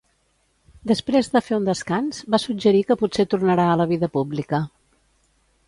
Després de fer un descans, va suggerir que potser tornarà a la vida pública.